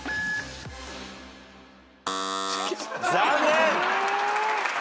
残念！